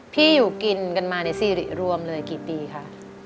อยู่กินกันมาในซีริรวมเลยกี่ปีคะ